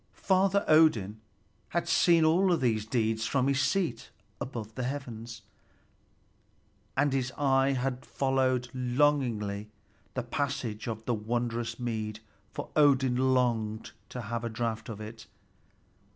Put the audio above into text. Father Odin had seen all these deeds from his seat above the heavens, and his eye had followed longingly the passage of the wondrous mead, for Odin longed to have a draught of it.